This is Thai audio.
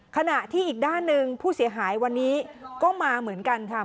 ขณะที่อีกด้านหนึ่งผู้เสียหายวันนี้ก็มาเหมือนกันค่ะ